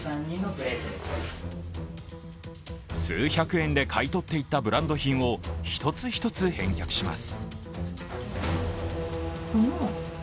数百円で買い取っていったブランド品を一つ一つ返却します。